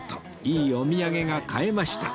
いいお土産が買えました